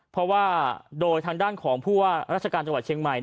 เพราะว่าโดยทางด้านของผู้ว่าราชการจังหวัดเชียงใหม่